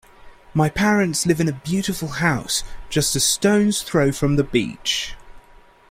My parents live in a beautiful house just a stone's throw from the beach.